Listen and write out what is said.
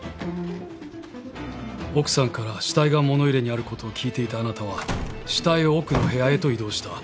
奥さんから死体が物入れにあることを聞いていたあなたは死体を奥の部屋へと移動した。